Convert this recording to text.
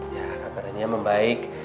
ya kabarnya membaik